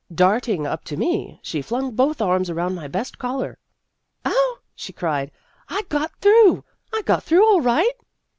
Darting up to me, she flung both arms around my best collar. " Oh," she cried, " I got through ! I got through all right